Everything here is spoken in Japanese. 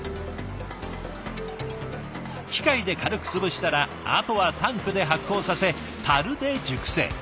機械で軽く潰したらあとはタンクで発酵させたるで熟成。